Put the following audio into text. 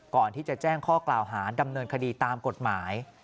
ก่อนที่จะแจ้งข้อกล่าวหาดำเนินคดีตามกฎหมาย